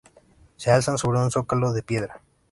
Se alzan sobre un zócalo de piedra.